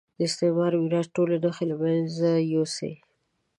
د استعماري میراث ټولې نښې له مېنځه یوسي.